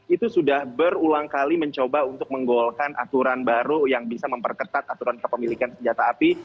itu sudah berulang kali mencoba untuk menggolkan aturan baru yang bisa memperketat aturan kepemilikan senjata api